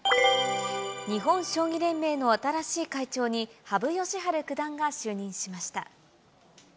日本将棋連盟の新しい会長に、羽生善治九段が就任しました。